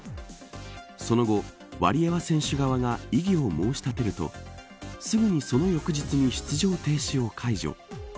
その後、ワリエワ選手側が異議を申し立てるとすぐにその翌日に出場停止を解除。